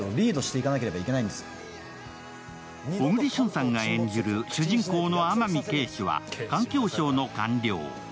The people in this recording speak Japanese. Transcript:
小栗旬さんが演じる主人公の天海啓示は環境省の官僚。